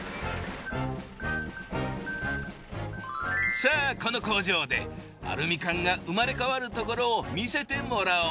さぁこの工場でアルミ缶が生まれ変わるところを見せてもらおう。